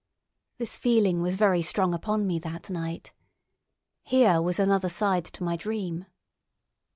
This feeling was very strong upon me that night. Here was another side to my dream.